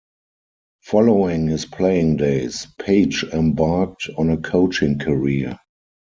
Following his playing days, Page embarked on a coaching career.